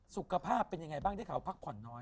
สุขภาพเป็นยังไงบ้างที่เขาพักผ่อนน้อย